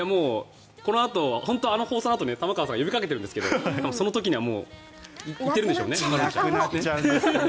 このあとあの放送のあと玉川さん呼びかけてるんですけどその時にはもう、行ってるんでしょうね。